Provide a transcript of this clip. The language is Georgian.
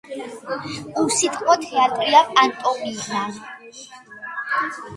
უსიტყვო თეატრია პანტომიმა.